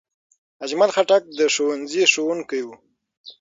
اجمل خټک د ښوونځي ښوونکی و.